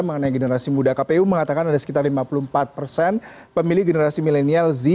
mengenai generasi muda kpu mengatakan ada sekitar lima puluh empat persen pemilih generasi milenial